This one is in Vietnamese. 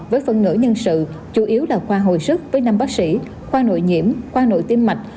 với phân nữ nhân sự chủ yếu là khoa hồi sức với năm bác sĩ khoa nội nhiễm khoa nội tim mạch